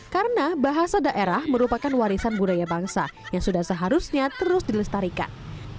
karena bahasa daerah merupakan warisan budaya bangsa yang sudah seharusnya terus dilestarikan